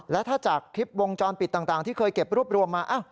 และถ้าจากคลิปวงจรปิดต่างที่เคยเก็บรวบรวมมา